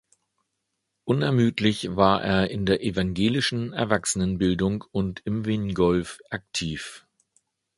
Unermüdlich war er in der evangelischen Erwachsenenbildung und im Wingolf aktiv.